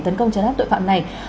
tấn công chấn áp tội phạm này